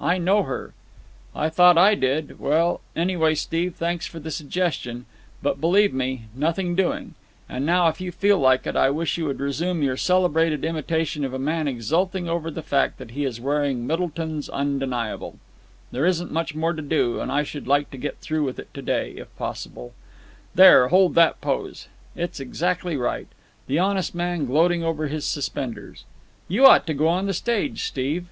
"I know her." "I thought I did. Well, anyway, Steve, thanks for the suggestion; but, believe me, nothing doing. And now, if you feel like it, I wish you would resume your celebrated imitation of a man exulting over the fact that he is wearing Middleton's Undeniable. There isn't much more to do, and I should like to get through with it to day, if possible. There, hold that pose. It's exactly right. The honest man gloating over his suspenders. You ought to go on the stage, Steve."